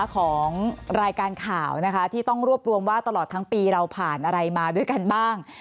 ของรายการข่าวนะคะที่ต้องรวบรวมว่าตลอดทั้งปีเราผ่านอะไรมาด้วยกันบ้าง